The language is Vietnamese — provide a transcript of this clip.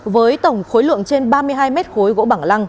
với tổng khối lượng trên ba mươi hai mét khối gỗ bằng lăng